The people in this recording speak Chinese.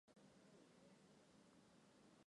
期间曾于德国佛莱堡大学进修一年。